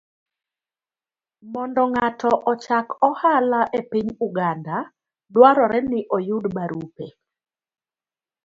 Mondo ng'ato ochak ohala e piny Uganda, dwarore ni oyud barupe